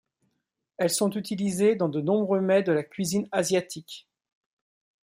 Elles sont utilisées dans de nombreux mets de la cuisine asiatique.